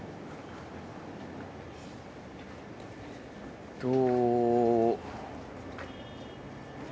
えっと。